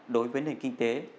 đối với nền kinh tế